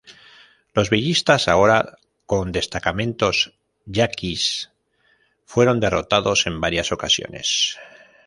Los villistas -ahora con destacamentos Yaquis- fueron derrotados en varias ocasiones.